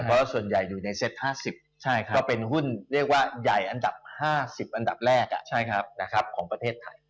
เพราะส่วนใหญ่อยู่ในเซต๕๐ก็เป็นหุ้นเรียกว่าใหญ่อันดับ๕๐อันดับแรกของประเทศไทย